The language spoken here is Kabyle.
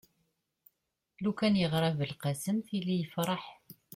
lukan yeɣra belqsem tili yefreḥ